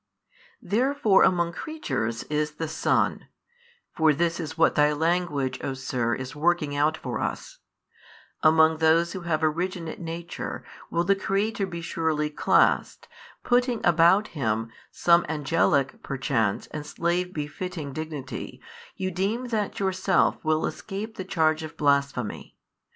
Therefore among creatures is the Son (for this is what thy language, O sir, is working out for us), among those who have originate nature will the Creator be surely classed, putting about Him some angelic perchance and slave befitting dignity you deem that yourself will escape the charge of blasphemy.